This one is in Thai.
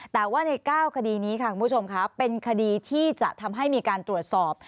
แต่ว่าใน๙คดีนี้ค่ะคุณผู้ชมค่ะเป็นคดีที่จะทำให้มีการตรวจสอบ